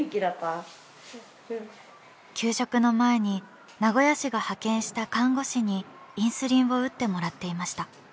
給食の前に名古屋市が派遣した看護師にインスリンを打ってもらっていました。